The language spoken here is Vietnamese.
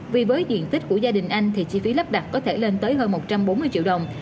vì với diện tích của gia đình anh thì chi phí lắp đặt có thể lên tới hơn một trăm bốn mươi triệu đồng